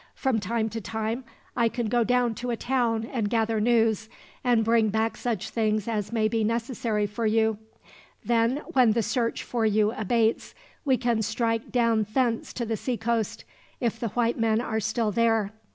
From time to time I can go down to a town and gather news, and bring back such things as may be necessary for you. Then, when the search for you abates, we can strike down thence to the seacoast, if the white men are still there.